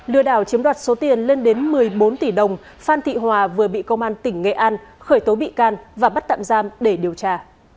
lừa đảo chiếm đoạt số tiền lên đến một mươi bốn tỷ đồng phan thị hòa vừa bị công an tỉnh nghệ an khởi tố bị can và bắt tạm giam để điều tra